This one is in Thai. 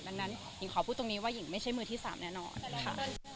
ดังนั้นหญิงขอพูดตรงนี้ว่าหญิงไม่ใช่มือที่๓แน่นอนค่ะ